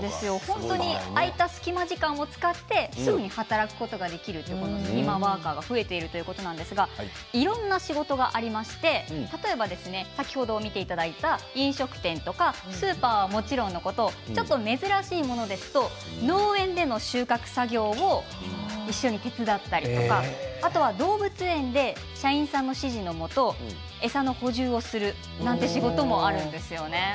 本当に空いた隙間時間を使ってすぐに働くことができるスキマワーカーが増えているということなんですがいろいろな仕事がありまして先ほど見ていただいた飲食店とかスーパーはもちろんのことちょっと珍しいものですと農園での収穫作業を一緒に手伝ったりとかあとは、動物園で社員さんの指示のもと餌の補充をするなんていう仕事もあるんですよね。